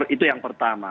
itu yang pertama